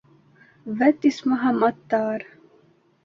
Вәт, исмаһам, аттар!